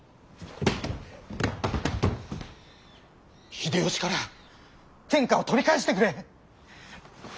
秀吉から天下を取り返してくれ！